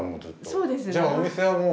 そうです。